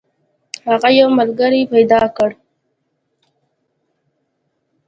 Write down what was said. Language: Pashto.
هغه یو ملګری پیدا کړ.